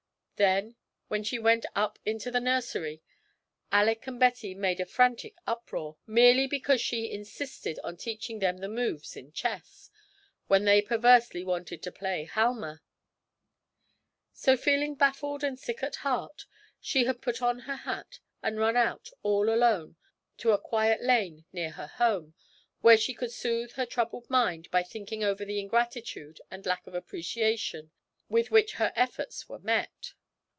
Then, when she went up into the nursery, Alick and Betty made a frantic uproar, merely because she insisted on teaching them the moves in chess, when they perversely wanted to play Halma! So, feeling baffled and sick at heart, she had put on her hat and run out all alone to a quiet lane near her home, where she could soothe her troubled mind by thinking over the ingratitude and lack of appreciation with which her efforts were met.